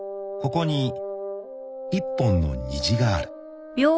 ［ここに一本の虹がある］